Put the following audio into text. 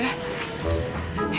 yaudah aku mau masuk